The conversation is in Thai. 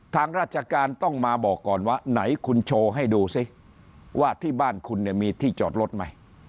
ทางราชการต้องมาบอกก่อนว่าไหนคุณโชว์ให้ดูสิว่าที่บ้านคุณเนี่ยมีที่จอดรถไหม